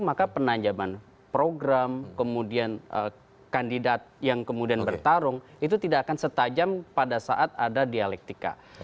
maka penanjaman program kemudian kandidat yang kemudian bertarung itu tidak akan setajam pada saat ada dialektika